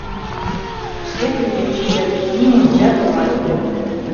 Шкетын йӱын шинчаш нимончат оҥай огыл...